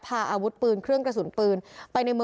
มีอวดปืนและเครื่องกระสุนปืน